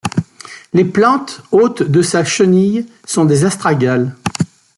Les plantes hôtes de sa chenille sont des astragales.